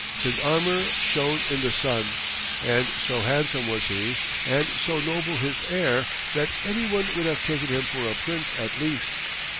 His armor shone in the sun, and so handsome was he, and so noble his air that any one would have taken him for a prince at least.